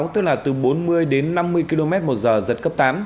tức là từ bốn mươi đến năm mươi km một giờ giật cấp tám